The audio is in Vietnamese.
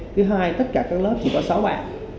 thứ hai tất cả các lớp chỉ có sáu bạn